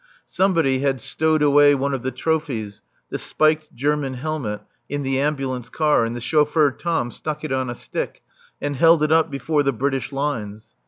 Somebody had stowed away one of the trophies the spiked German helmet in the ambulance car, and the chauffeur Tom stuck it on a stick and held it up before the British lines.